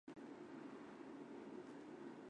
死后赠兵部右侍郎。